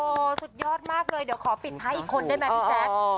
โอ้โหสุดยอดมากเลยเดี๋ยวขอปิดท้ายอีกคนได้ไหมพี่แจ๊ค